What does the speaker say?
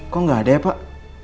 kok nggak ada ya pak